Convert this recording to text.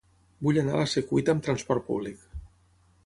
Vull anar a la Secuita amb trasport públic.